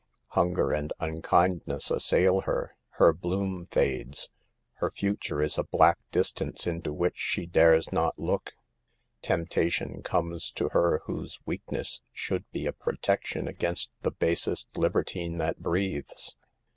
Hunger and un kindness assail her. Her bloom fades. Her future is a black distance into which she dares not look. Temptation comes to her whose weakness should be a protection against the basest libertine that breathes.